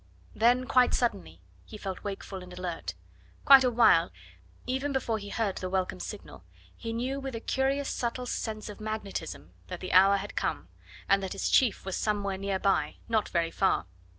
Then, quite suddenly, he felt wakeful and alert; quite a while even before he heard the welcome signal he knew, with a curious, subtle sense of magnetism, that the hour had come, and that his chief was somewhere near by, not very far.